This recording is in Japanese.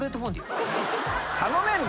頼めるの？